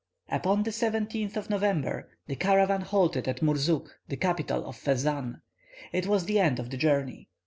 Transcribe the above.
Upon the 17th of November, the caravan halted at Murzuk, the capital of Fezzan. It was the end of the journey.